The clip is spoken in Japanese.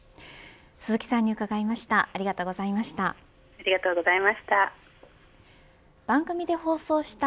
鈴木さんに伺いました